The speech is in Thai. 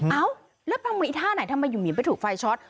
เอ้าแล้วปรามูลิท่าไหนทำไมหยุมหยิมไปถูกไฟช็อต